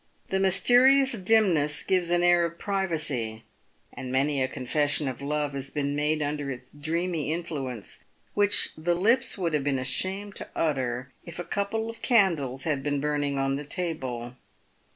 The myste rious dimness gives an air of privacy, and many a confession of love has been made under its dreamy influence which the lips would have been ashamed to utter if a couple of candles had been burning on the table.